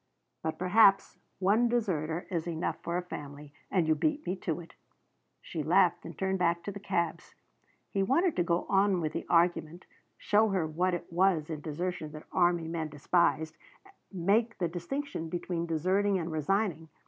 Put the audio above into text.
But perhaps one deserter is enough for a family and you beat me to it." She laughed and turned back to the cabs. He wanted to go on with the argument; show her what it was in desertion that army men despised, make the distinction between deserting and resigning.